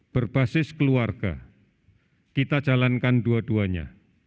berbasis keluarga kita jalankan dua duanya